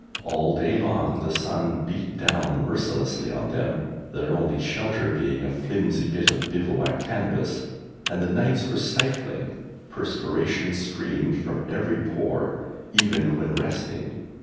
All day long the sun beat down mercilessly on them, their only shelter being a flimsy bit of bivouac canvas, and the nights were stifling. Perspiration streamed from every pore, even when resting.